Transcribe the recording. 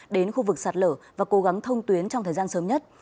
đến khu vực sạt lở và cố gắng thông tuyến trong thời gian sớm nhất